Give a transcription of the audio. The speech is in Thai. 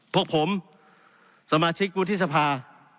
พวกผมสมาชิกวุฒิสภา